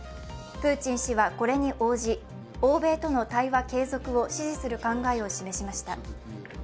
プーチン氏はこれに応じ、欧米との対話継続を支持する考えを示しました。